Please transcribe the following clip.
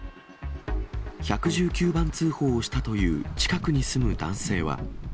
１１９番通報をしたという近くに住む男性は。